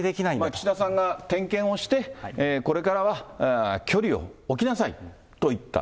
岸田さんが点検をして、これからは距離を置きなさいと言った。